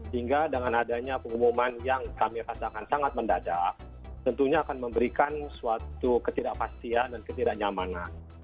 hingga dengan adanya pengumuman yang kami rasakan sangat mendadak tentunya akan memberikan suatu ketidakpastian dan ketidaknyamanan